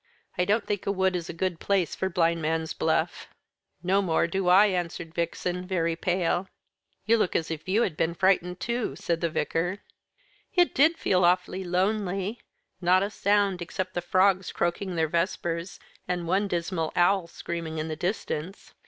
I don't think a wood is a good place for Blindman's Buff." "No more do I," answered Vixen, very pale. "You look as if you had been frightened, too," said the Vicar. "It did feel awfully lonely; not a sound, except the frogs croaking their vespers, and one dismal owl screaming in the distance.